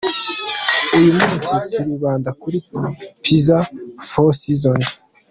Uyu munsi turibanda kuri Pizza Four Seasons.